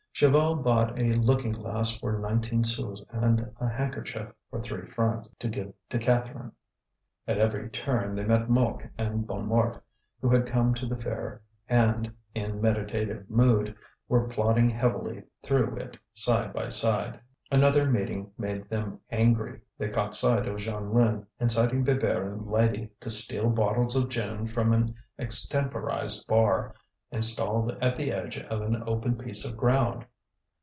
Chaval bought a looking glass for nineteen sous and a handkerchief for three francs, to give to Catherine. At every turn they met Mouque and Bonnemort, who had come to the fair and, in meditative mood, were plodding heavily through it side by side. Another meeting made them angry; they caught sight of Jeanlin inciting Bébert and Lydie to steal bottles of gin from an extemporized bar installed at the edge of an open piece of ground.